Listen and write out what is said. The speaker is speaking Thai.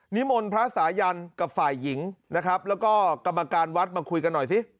นิมนต์พระสายันกับฝ่ายหญิงนะครับแล้วก็กรรมการวัดมาคุยกันหน่อยสิ